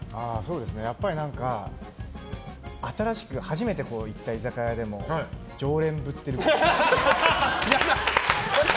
やっぱり新しく初めて行った居酒屋でも常連ぶってる感。